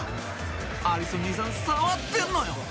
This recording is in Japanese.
アリソン兄さん、触ってるのよ。